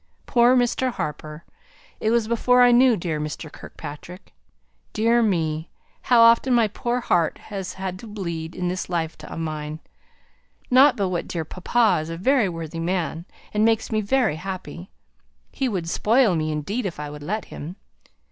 Poor Mr. Harper! It was before I knew dear Mr. Kirkpatrick! Dear me. How often my poor heart has had to bleed in this life of mine! not but what dear papa is a very worthy man, and makes me very happy. He would spoil me, indeed, if I would let him.